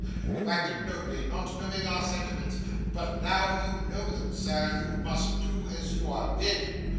You acted nobly, not knowing our sentiments, but now you know them, sir, you must do as you are bid.